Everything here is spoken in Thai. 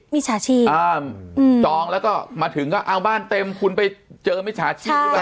มิจฉาชีพจองแล้วก็มาถึงก็เอาบ้านเต็มคุณไปเจอมิจฉาชีพหรือเปล่า